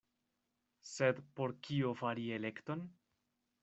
Sed por kio fari elekton?